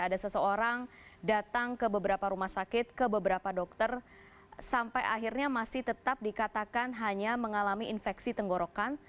ada seseorang datang ke beberapa rumah sakit ke beberapa dokter sampai akhirnya masih tetap dikatakan hanya mengalami infeksi tenggorokan